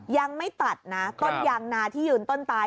ยังไม่ตัดนะต้นยางนาที่ยืนต้นตาย